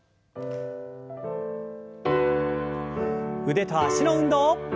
腕と脚の運動。